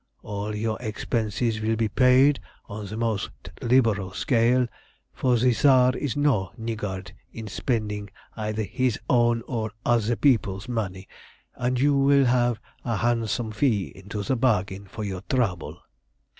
All your expenses will be paid on the most liberal scale, for the Tsar is no niggard in spending either his own or other people's money, and you will have a handsome fee into the bargain for your trouble."